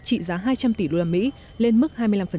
trị giá hai trăm linh tỷ usd lên mức hai mươi năm